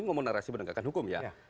ngomong narasi penegakan hukum ya